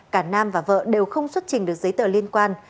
cả nam và vợ đều không xuất trình được giấy tờ liên quan